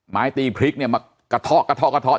ไม้ตีพริกเนี่ยมากระท่อกระท่อกระท่อก